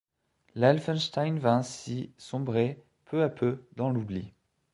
L'Helfenstein va ainsi sombrer peu à peu dans l'oubli.